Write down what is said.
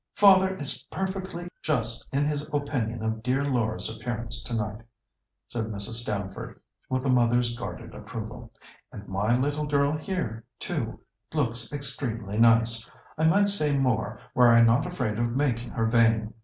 "Father is perfectly just in his opinion of dear Laura's appearance to night," said Mrs. Stamford, with a mother's guarded approval; "and my little girl here, too, looks extremely nice. I might say more, were I not afraid of making her vain.